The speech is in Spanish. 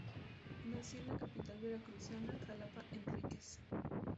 Nació en la capital veracruzana, Xalapa-Enríquez.